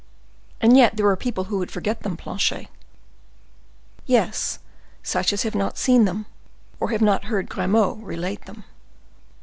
"And yet there are people who forget them, Planchet." "Yes, such as have not seen them, or have not heard Grimaud relate them."